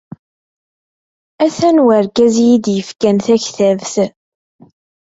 Atan wergaz i yi-d-ifkan taktabt.